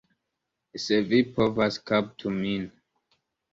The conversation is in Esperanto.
Se vi povas, kaptu min!